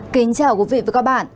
kính chào quý vị và các bạn